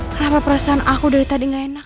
kenapa perasaan aku dari tadi nggak enak